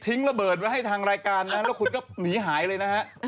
เป็นคนชอบมาเปิดเผยเรื่องข่าวจริงไม่ใช่นะฮะ